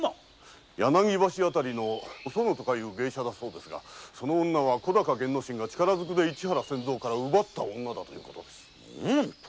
柳橋あたりの「おその」とかいう芸者だそうですが小高玄之進が力ずくで市原千蔵から奪った女だという事です。